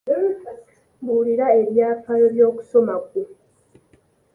Mbuulira ebyafaayo by'okusoma kwo.